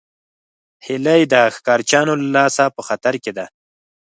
هیلۍ د ښکارچیانو له لاسه په خطر کې ده